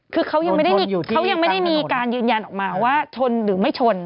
คือเขายังไม่ได้มีการยืนยันออกมาว่าชนหรือไม่ชน